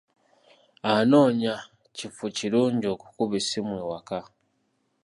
Anoonya kifo kirungi okukuba essimu ewaka.